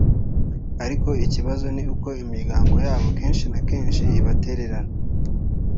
ariko ikibazo ni uko imiryango yabo kenshi na kenshi ibatererana